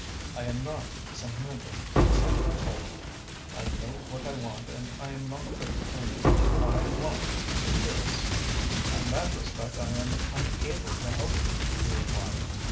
"I am not sentimental," she said coldly. "I know what I want and I am not afraid to own it. I want to be a Peeress." "In that respect I am unable to help you," he replied.